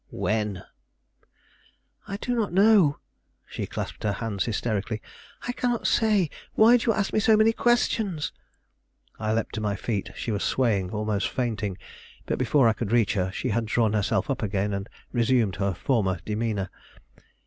"When?" "I do not know." She clasped her hands hysterically. "I cannot say. Why do you ask me so many questions?" I leaped to my feet; she was swaying, almost fainting. But before I could reach her, she had drawn herself up again, and resumed her former demeanor.